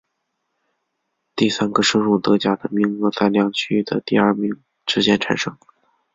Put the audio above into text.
第三个升入德甲的名额在两区的第二名之间产生。